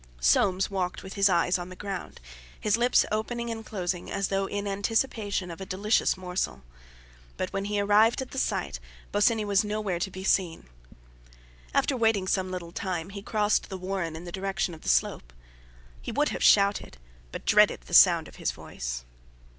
Soames walked with his eyes on the ground, his lips opening and closing as though in anticipation of a delicious morsel. But when he arrived at the site, Bosinney was nowhere to be seen. After waiting some little time, he crossed the warren in the direction of the slope. He would have shouted, but dreaded the sound of his voice.